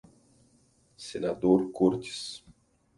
Senador Cortes